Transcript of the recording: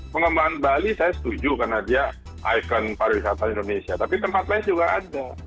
pengembangan bali saya setuju karena dia ikon pariwisata indonesia tapi tempat lain juga ada